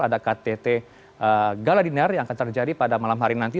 ada ktt galadinar yang akan terjadi pada malam hari nanti